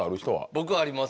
僕あります。